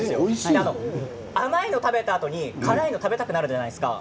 甘いの食べたあとに辛いのが食べたくなるじゃないですか。